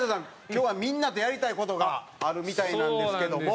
今日はみんなとやりたい事があるみたいなんですけども。